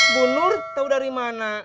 bunur tahu dari mana